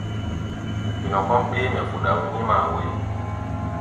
Gbinɔ kɔ́ʼm ɓéémɛ fuɗa nyímáa wóyo.